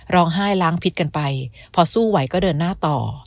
ร้องไห้ล้างพิษกันไปพอสู้ไหวก็เดินหน้าต่อ